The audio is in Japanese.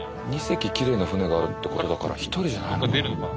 ２隻きれいな船があるってことだから一人じゃないのかな。